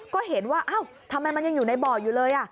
ก็เห็นว่าเอ้าทำไมมันยังอยู่ในบ่ออยู่เลย